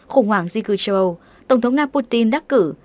khủng hoảng di cư châu âu tổng thống nga putin đắc cử